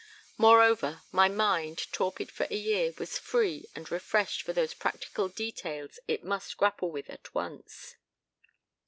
Moreover, my mind, torpid for a year, was free and refreshed for those practical details it must grapple with at once.